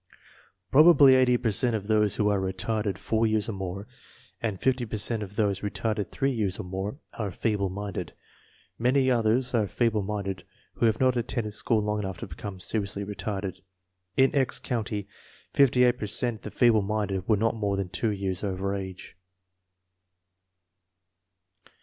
Probably eighty per cent of those who are retarded four years or more, and fifty per cent of those retarded three years or more, are feeble minded. Many others are feeble minded who have not at tended school long enough to become seriously re tarded. In " X " County fifty eight per cent of the feeble minded were not more than two years over age.